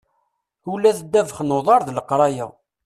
Ula d ddabex n uḍar d leqraya.